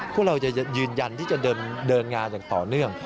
พวกเราจะยืนยันที่จะเดินงานอย่างต่อเนื่อง